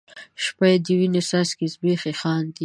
شپه یې د وینو څاڅکي زبیښي خاندي